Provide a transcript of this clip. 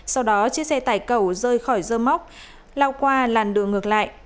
sau đó chiếc xe tải cầu rơi khỏi dơ móc lao qua làn đường ngược lại